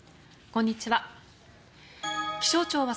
こんにちは。